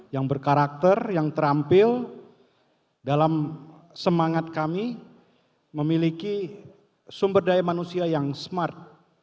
yang berkarakter yang terampil dalam semangat kami memiliki sumber daya manusia yang smart